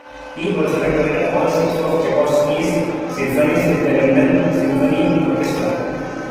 He also recorded all six of Tchaikovsky's symphonies with the London Symphony Orchestra.